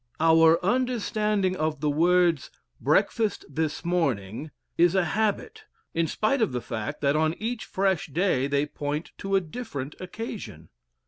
Our understanding of the words "breakfast this morning" is a habit, in spite of the fact that on each fresh day they point to a different occasion.